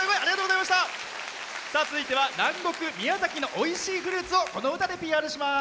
続いては南国・宮崎のおいしいフルーツをこの歌でＰＲします。